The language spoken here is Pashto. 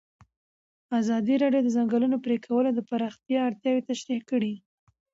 ازادي راډیو د د ځنګلونو پرېکول د پراختیا اړتیاوې تشریح کړي.